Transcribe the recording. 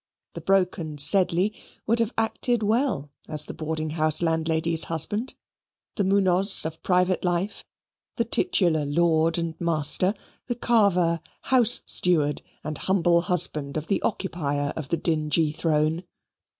The broken Sedley would have acted well as the boarding house landlady's husband; the Munoz of private life; the titular lord and master: the carver, house steward, and humble husband of the occupier of the dingy throne.